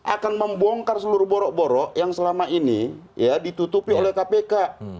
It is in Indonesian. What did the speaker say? akan membongkar seluruh borok borok yang selama ini ya ditutupi oleh kpk